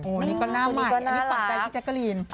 โอ้นี่ก็หน้าใหม่นี่ฝันใจดีแจ๊กกะลีน